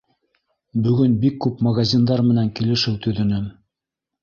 Бөгөн бик күп магазиндар менән килешеү төҙөнөм.